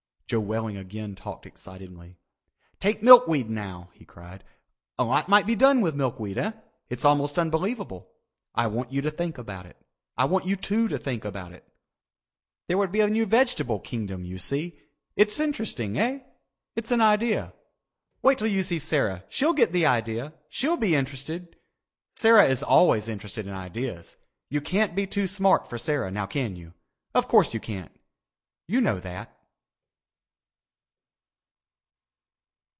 Joe Welling again talked excitedly. "Take milkweed now," he cried. "A lot might be done with milkweed, eh? It's almost unbelievable. I want you to think about it. I want you two to think about it. There would be a new vegetable kingdom you see. It's interesting, eh? It's an idea. Wait till you see Sarah, she'll get the idea. She'll be interested. Sarah is always interested in ideas. You can't be too smart for Sarah, now can you? Of course you can't. You know that."